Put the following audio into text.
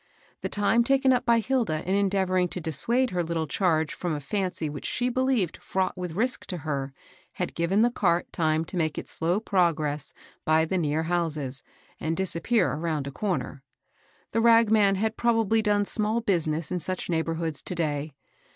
The time taken up by Hilda in endeav ors to dissuade her little charge from a fancy which she believed fraught with risk to her had given the cart time to make its slow progress by the near houses, and disappear around a comer. The rag man had probably done 'small business in such neighborhoods to day.